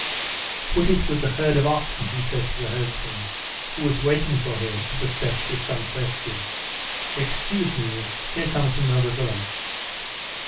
"Put it with the herd of oxen," he said to the herdsman, who was waiting for him at the steps with some question. "Excuse me, here comes another villain."